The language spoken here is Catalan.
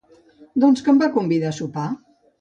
Doncs que em va convidar a sopar.